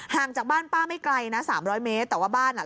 งจากบ้านป้าไม่ไกลนะสามร้อยเมตรแต่ว่าบ้านอ่ะ